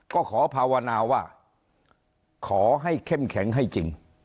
ก็ขอภาวนาว่าขอให้เข้มแข็งให้จริง